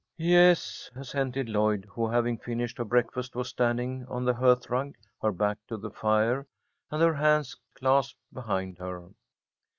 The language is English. "Yes," assented Lloyd, who, having finished her breakfast, was standing on the hearth rug, her back to the fire and her hands clasped behind her.